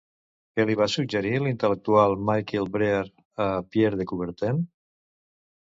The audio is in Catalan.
Què li va suggerir, l'intel·lectual Michel Bréal a Pierre de Coubertin?